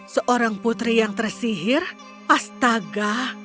seorang putri yang tersihir astaga